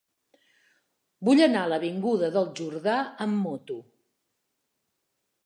Vull anar a l'avinguda del Jordà amb moto.